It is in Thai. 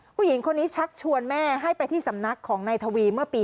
ผู้หญิงคนนี้ชักชวนแม่ให้ไปที่สำนักของนายทวีเมื่อปี๒๕